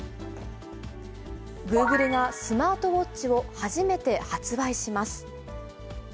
グーグルがスマートウォッチを初めて発売します。